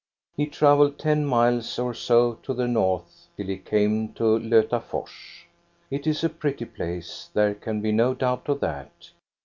He travelled ten miles or so to the north, till he came to Lotafors. It is a pretty place, there can be no doubt of that.